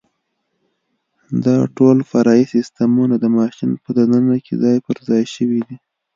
دا ټول فرعي سیسټمونه د ماشین په دننه کې ځای پرځای شوي دي.